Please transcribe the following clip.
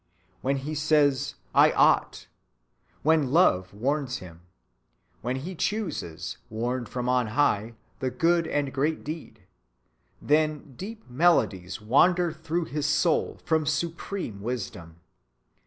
When he says 'I ought'; when love warns him; when he chooses, warned from on high, the good and great deed; then, deep melodies wander through his soul from supreme wisdom.